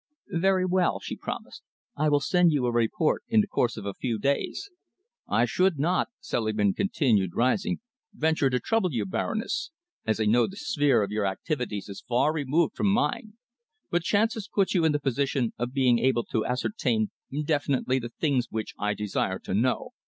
"Very well," she promised. "I will send you a report in the course of a few days." "I should not," Selingman continued, rising, "venture to trouble you, Baroness, as I know the sphere of your activities is far removed from mine, but chance has put you in the position of being able to ascertain definitely the things which I desire to know.